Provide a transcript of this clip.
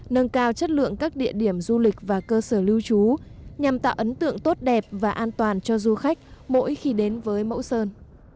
nâng cao chất lượng các địa điểm du lịch và cơ sở lưu trú nhằm tạo ấn tượng tốt đẹp và an toàn cho du khách mỗi khi đến với mẫu sơn